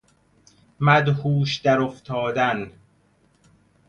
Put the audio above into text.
مدهوش درافتادن